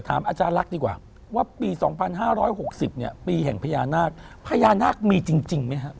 ถามอาจารย์ลักษณ์ดีกว่าว่าปี๒๕๖๐เนี่ยปีแห่งพญานาคพญานาคมีจริงไหมฮะ